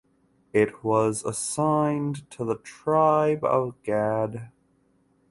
It was assigned to the Tribe of Gad.